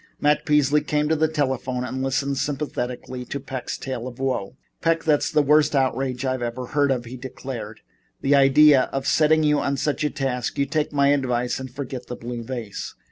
Matt Peasley came to the telephone and listened sympathetically to Peck's tale of woe. "Peck, that's the worst outrage I ever heard of," he declared. "The idea of setting you such a task. You take my advice and forget the blue vase."